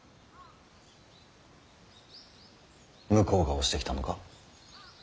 向こうが押してきたのか。